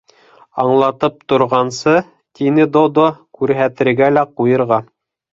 —Аңлатып торғансы, —тине Додо, —күрһәтергә лә ҡуйырға!